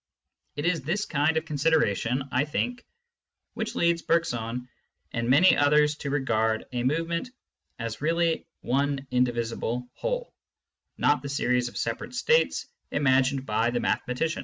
It is this kind of considera tion, I think, which leads Bergson and many others to regard a movement as really one indivisible whole, not the series of separate states imagined by the mathe matician.